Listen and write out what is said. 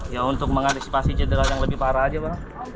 ya untuk mengantisipasi cedera yang lebih parah aja bang